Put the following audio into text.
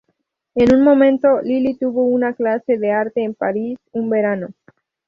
En un momento, Lily tuvo una clase de arte en París un verano.